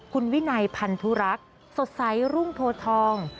คุณวินัยพันธุรักษ์สดใสรุ่งโพทอง